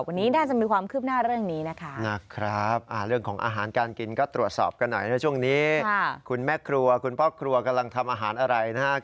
วันนี้น่าจะมีความคืบหน้าเรื่องนี้นะคะ